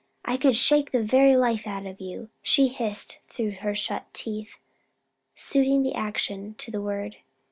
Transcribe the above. I could shake the very life out of you!" she hissed through her shut teeth, suiting the action to the word.